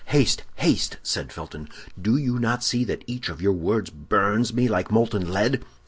"Haste! haste!" said Felton; "do you not see that each of your words burns me like molten lead?"